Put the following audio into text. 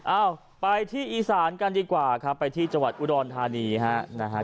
อ้าวไปที่อีสานกันดีกว่าครับไปที่จวัดอุดอลทานีข้า